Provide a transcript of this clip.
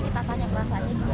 kita tanya perasaannya gimana ya